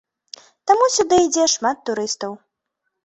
Таму сюды ідзе шмат турыстаў.